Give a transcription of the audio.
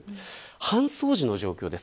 搬送時の状況です。